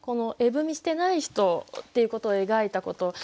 絵踏してない人っていうことを描いたこと。